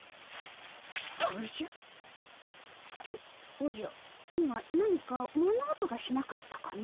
おじゃ今何か物音がしなかったかの？